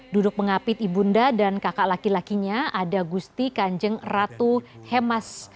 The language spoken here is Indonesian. duduk mengapit ibunda dan kakak laki lakinya ada gusti kanjeng ratu hemas